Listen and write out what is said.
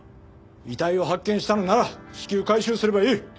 遺体を発見したのなら至急回収すればいい。